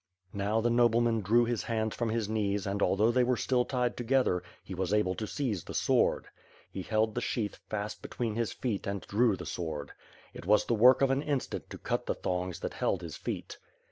Now the nobleman drew his hands from his knees and although they were still tied together he was able to seize the sword. He held the sheath fast between his feet and drew the sword. It was the work of an instant to cut the thongs that held his feet.